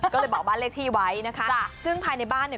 ก็เลยบอกว่านเลขที่ไว้ซึ่งภายในบ้าน